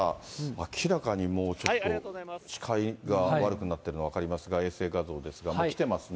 明らかにもうちょっと、視界が悪くなっているのが分かりますが、衛星画像ですが、もう来てますね。